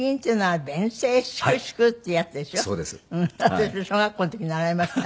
私小学校の時習いました。